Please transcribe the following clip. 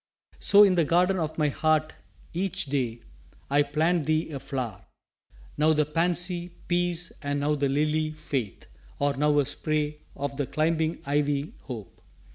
2 So in the garden of my heart each day I plant thee a flower. Now the pansy, peace, And now the lily, faith or now a spray Of the climbing ivy, hope.